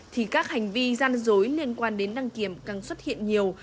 thì các hành vi gian dối liên quan đến đăng kiểm càng xuất hiện nhiều